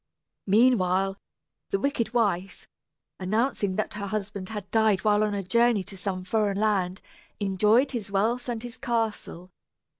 Meanwhile the wicked wife, announcing that her husband had died while on a journey to some foreign land, enjoyed his wealth and his castle.